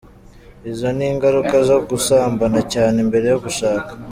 Izo ni ingaruka zo gusambana cyane mbere yo gushaka.